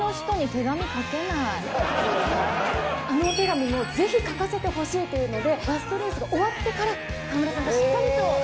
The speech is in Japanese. あのお手紙もぜひ書かせてほしいというのでラストレースが終わってから川村さんがしっかりと。